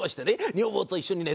女房と一緒にね